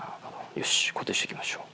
よし固定して行きましょう。